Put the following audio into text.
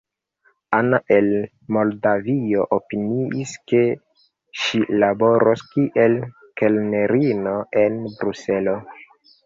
Ana el Moldavio opiniis, ke ŝi laboros kiel kelnerino en Bruselo.